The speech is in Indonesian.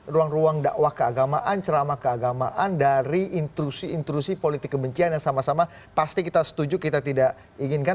ruang ruang dakwah keagamaan ceramah keagamaan dari intrusi intrusi politik kebencian yang sama sama pasti kita setuju kita tidak inginkan